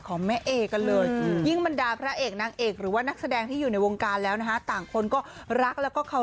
ของแม่เอกันเลยยิ่งมันดาพระเอก